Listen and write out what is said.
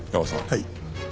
はい。